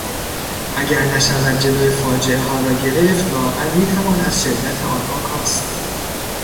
اگر نشود جلو فاجعهها را گرفت لااقل میتوان از شدت آنها کاست.